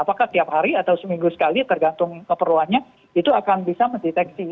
apakah tiap hari atau seminggu sekali tergantung keperluannya itu akan bisa mendeteksi